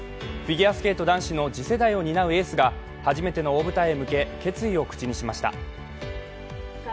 フィギュアスケート男子の次世代を担うエースが初めての大舞台へ向け、決意を口にしました。